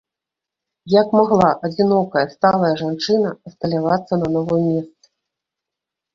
Як магла адзінокая сталая жанчына асталявацца на новым месцы?